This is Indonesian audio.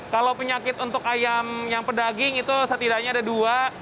kalau penyakit untuk ayam yang pedaging itu setidaknya ada dua